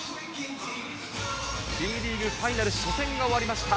Ｂリーグファイナル初戦が終わりました。